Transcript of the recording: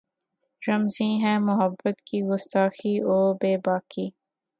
رمزیں ہیں محبت کی گستاخی و بیباکی